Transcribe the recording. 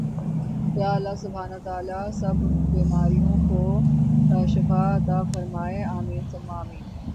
یا اللّٰہ سبحان اللّٰہ تعالی سب بیماروں کو شفاء عطاء فرمائے آمین ثم آمین